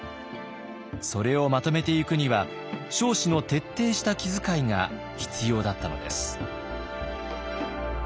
それをまとめていくには彰子の徹底した気遣いが必要だったのです。